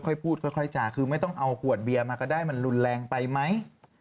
ค่อยพูดค่อยจ่าคือไม่ต้องเอาขวดเบียร์มาก็ได้มันรุนแรงไปไหม